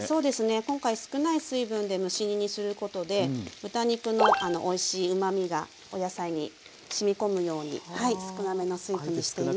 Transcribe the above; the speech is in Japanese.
今回少ない水分で蒸し煮にすることで豚肉のおいしいうまみがお野菜にしみ込むように少なめの水分にしています。